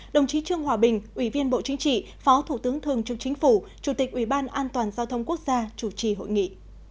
đồng chí trương hòa bình ủy viên bộ chính trị phó thủ tướng thường trực chính phủ chủ tịch ủy ban an toàn giao thông quốc gia chủ trì hội nghị